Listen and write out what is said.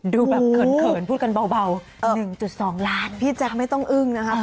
ดูแบบเขินพูดกันเบา๑๒ล้านพี่แจ๊คไม่ต้องอึ้งนะคะ